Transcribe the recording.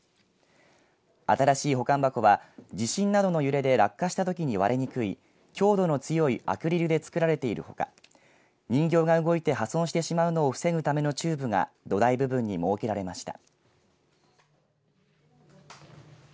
新しい保管箱は地震などの揺れで落下したときに割れにくい強度の強いアクリルで作られているほか人形が動いて破損してしまうのを防ぐためのチューブが土台部分に設けられました。